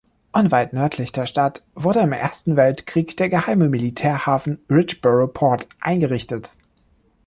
Unweit nördlich der Stadt wurde im Ersten Weltkrieg der geheime Militärhafen Richborough Port eingerichtet.